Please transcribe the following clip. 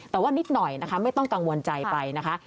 แต่ว่านิดหน่อยนะคะไม่ต้องกังวลใจไปนะคะ